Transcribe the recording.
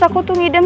aku tuh ngidam